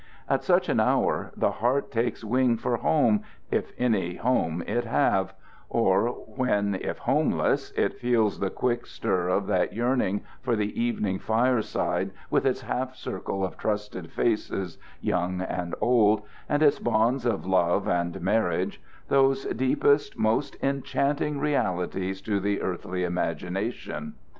At such an hour the heart takes wing for home, if any home it have; or when, if homeless, it feels the quick stir of that yearning for the evening fireside with its half circle of trusted faces young and old, and its bonds of love and marriage, those deepest, most enchanting realities to the earthly imagination.